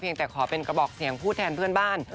แต่ขอเป็นกระบอกเสียงผู้แทนเพื่อนบ้าน